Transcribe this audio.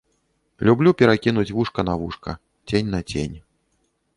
Люблю перакінуць вушка на вушка, цень на цень.